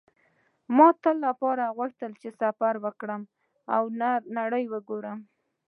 ما تل غوښتل چې سفر وکړم او نړۍ وګورم